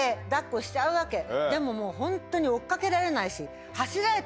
でももうホントに追っ掛けられないし。